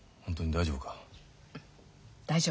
大丈夫。